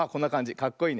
かっこいいね。